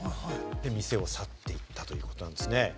店を去っていったということなんですね。